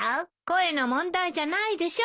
声の問題じゃないでしょ。